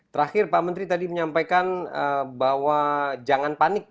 terakhir pak menteri tadi menyampaikan bahwa jangan panik